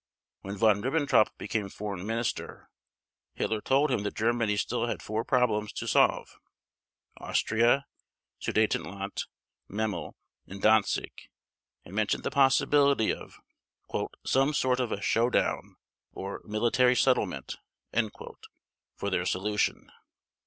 When Von Ribbentrop became Foreign Minister Hitler told him that Germany still had four problems to solve, Austria, Sudetenland, Memel, and Danzig, and mentioned the possibility of "some sort of a show down" or "military settlement" for their solution.